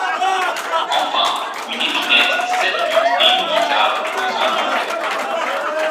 Enfin, une épinette, sept luths et une guitare closent l’inventaire.